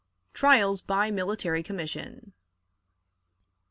Trials by Military Commission.